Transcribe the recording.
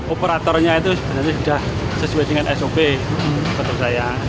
operatornya itu sebenarnya sudah sesuai dengan sop untuk saya